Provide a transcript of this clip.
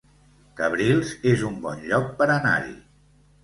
Cabrils es un bon lloc per anar-hi